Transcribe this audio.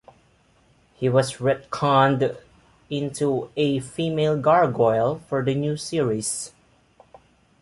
He was retconned into a female gargoyle for the new series.